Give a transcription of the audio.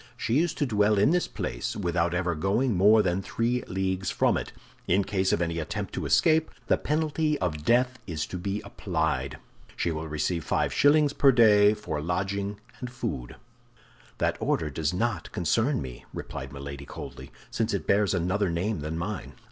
She is to dwell in this place without ever going more than three leagues from it. In case of any attempt to escape, the penalty of death is to be applied. She will receive five shillings per day for lodging and food'". "That order does not concern me," replied Milady, coldly, "since it bears another name than mine."